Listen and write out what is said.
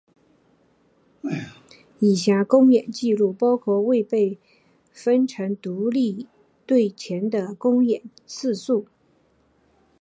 以下公演记录包括未被分成独立队前的公演次数。